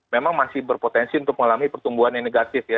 memang masih berpotensi untuk mengalami pertumbuhan yang negatif ya